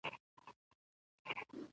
دغه سرچینه وایي په داسې حال کې